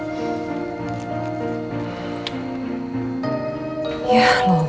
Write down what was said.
ada apa lagi sih